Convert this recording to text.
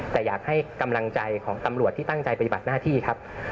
แต่อยากให้กำลังใจของตำรวจที่ตั้งใจปฏิบัติหน้าที่ครับ